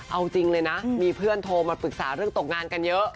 เอาจริงเลยนะมีเพื่อนโทรมาปรึกษาเรื่องตกงานกันเยอะ